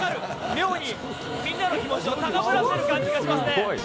妙にみんなの気持ちをたかぶらせる感じがしますね。